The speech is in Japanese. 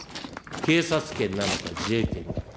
警察権なのか自衛権なのか。